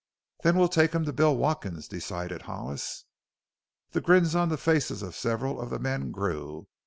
"Then we'll take him to Bill Watkins," decided Hollis. The grins on the faces of several of the men grew.